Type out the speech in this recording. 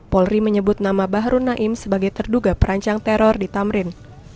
polri menyebut nama bahru naim sebagai terduga perancang teror di tamrin